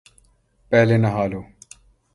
پہلے نہا لو ـ